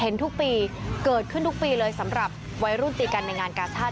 ทุกปีเกิดขึ้นทุกปีเลยสำหรับวัยรุ่นตีกันในงานกาชาติ